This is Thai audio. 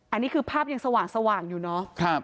อันนี้คือภาพยังสว่างอยู่เนาะ